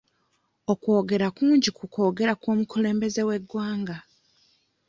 Okwogera kungi ku kwogera kw'omukulembeze w'eggwanga.